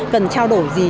cần trao đổi gì